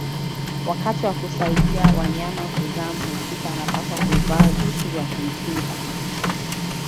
Wakati wa kusaidia wanyama kuzaa mhusika anapaswa kuvaa vitu vya kumkinga